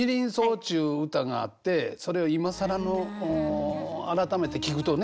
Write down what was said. っちゅう歌があってそれを今更改めて聴くとね